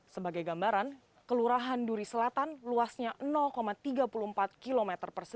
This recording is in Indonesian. sebagai gambaran kelurahan duri selatan luasnya tiga puluh empat km